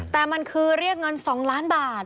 แต่มันคือเรียกเงิน๒ล้านบาท